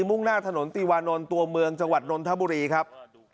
มุ่งหน้าถนนตีวานนท์ตัวเมืองจังหวัดนนทบุรีครับ